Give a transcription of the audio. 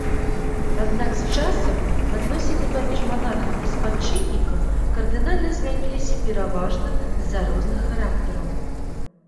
Аднак з часам адносіны паміж манархам і спадчыннікам кардынальна змяніліся пераважна з-за розных характараў.